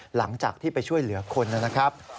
หลังจากที่ไปช่วยเหลือคนนะครับ